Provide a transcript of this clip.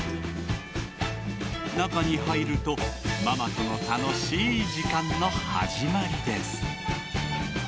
なかにはいるとママとのたのしい時間のはじまりです。